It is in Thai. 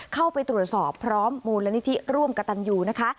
เข้าไปตรวจสอบพร้อมมูลนิธิร่วมกับตันยูนะคะ